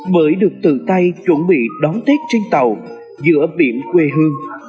bởi được tự tay chuẩn bị đón tết trên tàu giữa biển quê hương